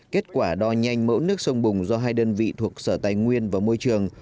kết quả đo nhanh mẫu nước sông bùng do hai đơn vị thuộc sở tài nguyên và môi trường